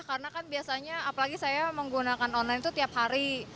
karena kan biasanya apalagi saya menggunakan online itu tiap hari